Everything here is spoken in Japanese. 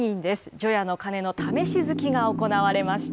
除夜の鐘の試しづきが行われました。